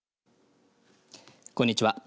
こんにちは。